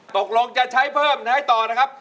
ตกลงจะใช้เพิ่มใช้ต่อนะครับ